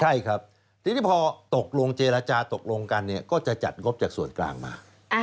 ใช่ครับทีนี้พอตกลงเจรจาตกลงกันเนี่ยก็จะจัดงบจากส่วนกลางมา